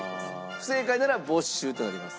不正解なら没収となります。